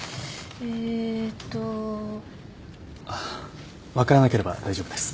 あっ分からなければ大丈夫です。